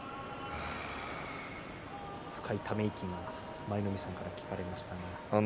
深いため息が舞の海さんから聞かれました。